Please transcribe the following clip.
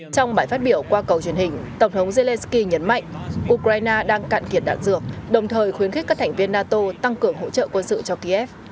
trong bài phát biểu qua cầu truyền hình tổng thống zelensky nhấn mạnh ukraine đang cạn kiệt đạn dược đồng thời khuyến khích các thành viên nato tăng cường hỗ trợ quân sự cho kiev